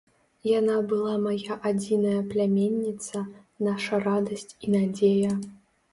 Яна была мая адзіная пляменніца, наша радасць і надзея.